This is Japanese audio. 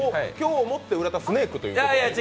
今日をもって、浦田スネークということで？